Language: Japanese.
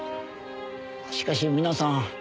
しかし皆さん